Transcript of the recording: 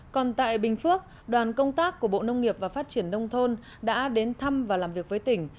còn tại bình phước đoàn công tác của bộ nông nghiệp và phát triển nông thôn đã đến thăm và làm việc với tỉnh